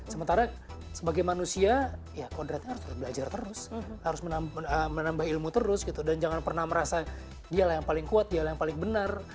sementara sebagai manusia ya kodratnya harus belajar terus harus menambah ilmu terus gitu dan jangan pernah merasa dialah yang paling kuat dialah yang paling benar